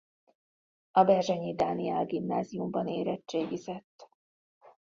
A Berzsenyi Dániel Gimnáziumban érettségizett.